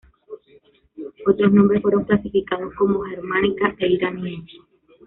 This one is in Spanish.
Otros nombres fueron clasificados como germánica e iranios.